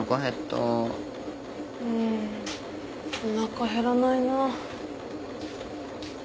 うんおなか減らないな。